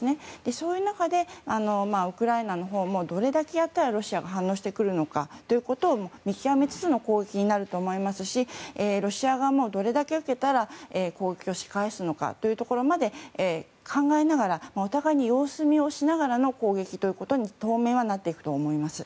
そういう中でウクライナのほうもどれだけやったらロシアが反応してくるのかを見極めつつの攻撃になると思いますしロシア側もどれだけ受けたら攻撃をし返すのかというところまで考えながらお互いに様子見をしながらの攻撃ということに当面はなっていくと思います。